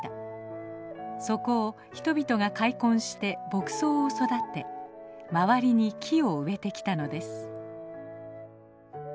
そこを人々が開墾して牧草を育て周りに木を植えてきたのです。